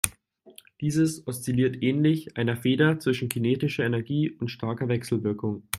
Diese oszilliert ähnlich einer Feder zwischen kinetischer Energie und starker Wechselwirkung.